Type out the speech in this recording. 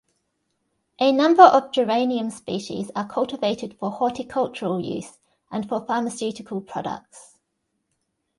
A number of geranium species are cultivated for horticultural use and for pharmaceutical products.